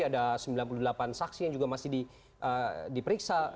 ada sembilan puluh delapan saksi yang juga masih diperiksa